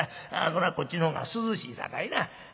これはこっちの方が涼しいさかいな。